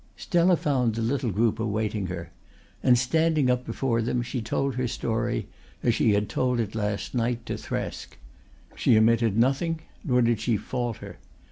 Stella found the little group awaiting her, and standing up before them she told her story as she had told it last night to Thresk. She omitted nothing nor did she falter.